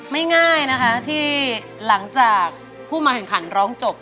ง่ายนะคะที่หลังจากผู้มาแข่งขันร้องจบ